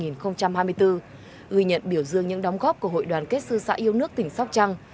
người nhận biểu dương những đóng góp của hội đoàn kết sư sãi yêu nước tỉnh sóc trắng